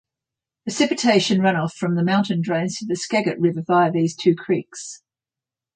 Precipitation runoff from the mountain drains to the Skagit River via these two creeks.